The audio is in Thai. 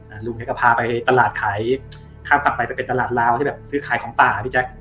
เอารุงแกก็พาไปตลาดขายข้ามควัไปเป็นตลาดราวที่ซื้อขายของป่า